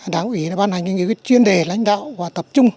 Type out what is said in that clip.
đảng ủy ban hành những chuyên đề lãnh đạo và tập trung